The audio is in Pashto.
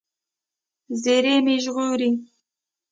زېرمې ژغورئ.